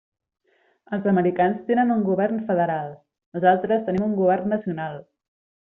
Els americans tenen un govern federal; nosaltres tenim un govern nacional.